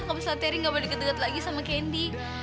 kalo misalnya terry gak boleh deket deket lagi sama candy